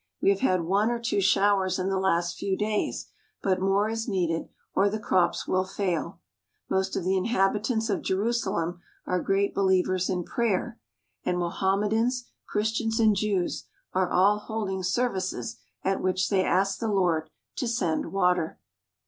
We have had one or two showers in the last few days, but more is needed or the crops will fail. Most of the inhabitants of Jerusalem are great believers in prayer, and Mohammedans, Chris tians, and Jews are all holding services at which they ask the Lord to send water.